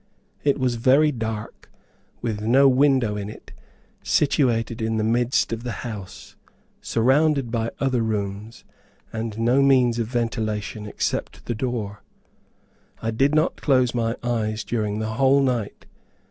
It was very dark, with no window in it, situated in the midst of the house, surrounded by other rooms, and no means of ventilation except the door. I did not close my eyes during the whole night.